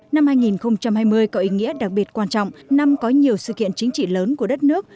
năm hai nghìn hai mươi có ý nghĩa đặc biệt quan trọng năm có nhiều sự kiện chính trị lớn của đất nước